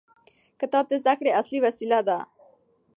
کتاب د زده کړې اصلي وسیله ده.